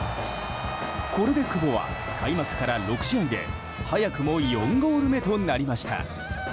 これで久保は開幕から６試合で早くも４ゴール目となりました。